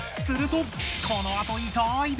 するとこのあと。